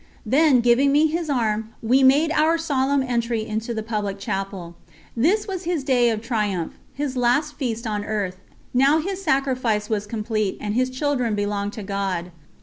Then, giving me his arm, we made our solemn entry into the public Chapel. This was his day of triumph, his last feast on earth; now his sacrifice was complete, and his children belonged to God.